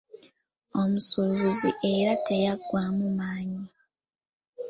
Omusuubuzi era teyaggwaamu maanyi.